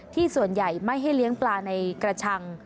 ส่วนใหญ่ไม่ให้เลี้ยงปลาในกระชัง